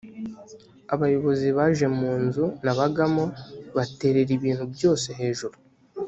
abayobozi baje mu nzu nabagamo baterera ibintu byose hejuru